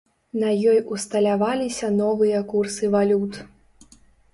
На ёй усталяваліся новыя курсы валют.